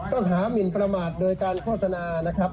ปัญหามินประมาทโดยการโฆษณานะครับ